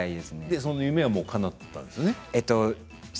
その夢がかなったんですね。